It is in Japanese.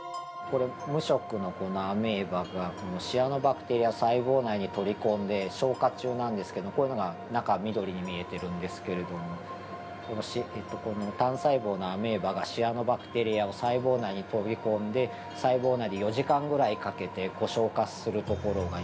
これ無色のアメーバがシアノバクテリア細胞内に取り込んで消化中なんですけどこういうのが中緑に見えてるんですけれどもこの単細胞のアメーバがシアノバクテリアを細胞内に取り込んで細胞内で４時間ぐらいかけて消化するところが今見えてます。